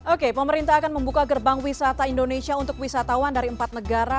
oke pemerintah akan membuka gerbang wisata indonesia untuk wisatawan dari empat negara